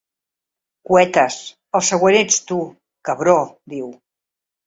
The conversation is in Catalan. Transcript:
“Cuetes”, el següent ets tu, cabró, diu.